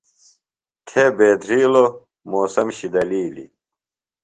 تھے بیدھرِیلوۡ۔ موسم شِدلِیلیۡ۔